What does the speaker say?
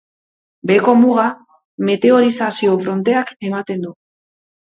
Beheko muga meteorizazio fronteak ematen du.